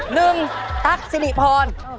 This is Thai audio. หนึ่งตั๊กสิริพร